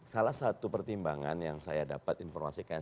salah satu pertimbangan yang saya dapat informasikan